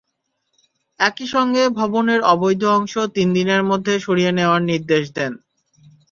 একই সঙ্গে ভবনের অবৈধ অংশ তিন দিনের মধ্যে সরিয়ে নেওয়ার নির্দেশ দেন।